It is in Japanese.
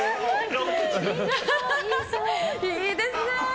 いいですね。